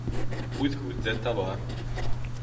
Һүҙ һүҙҙе таба.